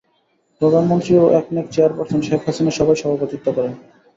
প্রধানমন্ত্রী ও একনেক চেয়ারপারসন শেখ হাসিনা সভায় সভাপতিত্ব করেন।